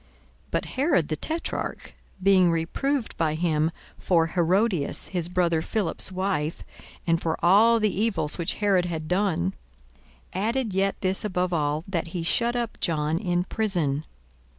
42:003:019 But Herod the tetrarch, being reproved by him for Herodias his brother Philip's wife, and for all the evils which Herod had done, 42:003:020 Added yet this above all, that he shut up John in prison.